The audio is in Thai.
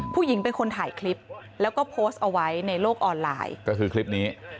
ผู้หญิงเป็นคนถ่ายคลิปแล้วก็โพสต์เอาไว้ในโลกออนไลน์